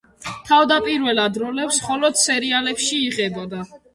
თავდაპირველად როლებს მხოლოდ სერიალებში იღებდა.